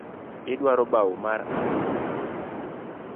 Idwaro bau mar ang’o?